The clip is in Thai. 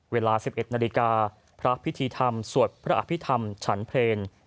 เวลา๑๑นาฬิกาพระพิธีธรรมสวดพระอภิษฐรรมฉันเพลง